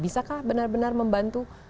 bisakah benar benar membantu